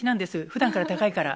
ふだんから高いから。